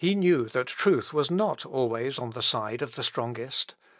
He knew that truth was not always on the side of the strongest.